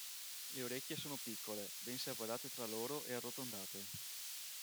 Le orecchie sono piccole, ben separate tra loro e arrotondate.